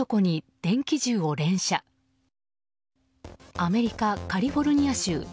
アメリカ・カリフォルニア州。